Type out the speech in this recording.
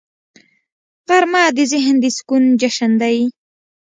غرمه د ذهن د سکون جشن دی